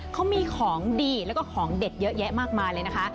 เขามีของดีแล้วก็ของเด็ดเยอะแยะมากมายเลยนะคะ